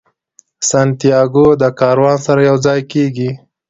سانتیاګو د کاروان سره یو ځای کیږي.